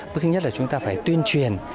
bước nhất là chúng ta phải tuyên truyền